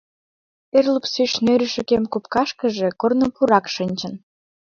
Эр лупсеш нӧрышӧ кем копкашкыже корно пурак шинчын.